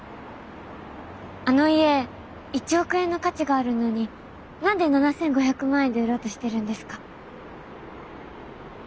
あの家１億円の価値があるのに何で７，５００万円で売ろうとしてるんですか？